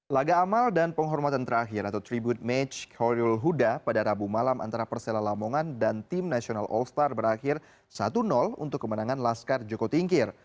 laga amal dan penghormatan terakhir atau tribut match khairul huda pada rabu malam antara persela lamongan dan tim nasional all star berakhir satu untuk kemenangan laskar joko tingkir